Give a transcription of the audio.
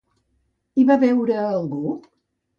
Hi va veure a algú?